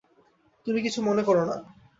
তুমি কিছু মনে করো না।